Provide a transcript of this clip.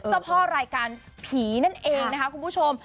เจ้าพ่อรายการผีนั่นเองนะคะคุณผู้ชม